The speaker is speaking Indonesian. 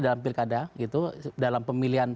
dalam pilkada dalam pemilihan